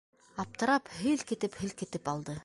Аптырап һелкетеп-һелкетеп алды.